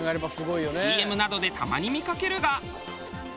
ＣＭなどでたまに見かけるが。